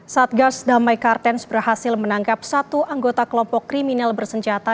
satgas damai kartens berhasil menangkap satu anggota kelompok kriminal bersenjata